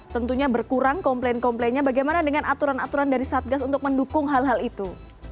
tentunya berkurang komplain komplainnya bagaimana dengan aturan aturan dari satgas untuk mendukung hal hal itu